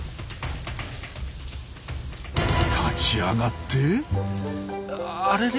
立ち上がってあれれ？